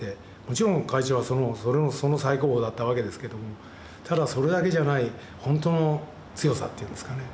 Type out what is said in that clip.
もちろん会長はその最高峰だったわけですけどもただそれだけじゃない本当の強さっていうんですかね。